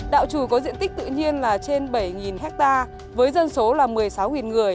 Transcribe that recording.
đạo trù có diện tích tự nhiên là trên bảy hectare với dân số là một mươi sáu người